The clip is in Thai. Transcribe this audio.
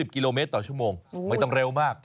กิโลเมตรต่อชั่วโมงไม่ต้องเร็วมาก